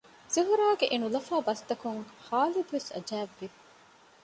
ޒުހުރާގެ އެނުލަފާ ބަސްތަކުން ހާލިދުވެސް އަޖައިބު ވި